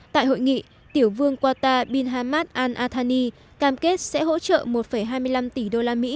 tại hội nghị tiểu vương qatar bin hamad al athani cam kết sẽ hỗ trợ một hai mươi năm tỷ đô la mỹ